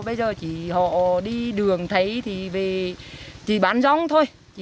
bây giờ chỉ họ đi đường thấy thì về chỉ bán rong thôi